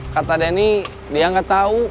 kata denny dia nggak tahu